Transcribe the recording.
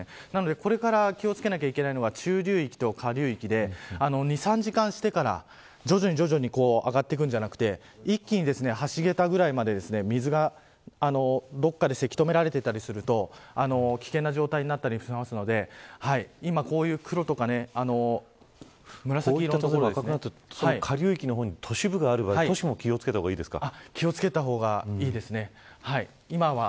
なので、これから気を付けなければいけないのは中流域と下流域で２、３時間してから徐々に上がっていくんじゃなくて一気に橋桁ぐらいまで水がどこかでせき止められていたりすると危険な状態になったりするので今こういう黒とか紫色の所は赤くなっている場合は下流域に都市部がある場合は気を付けた方がいいですね。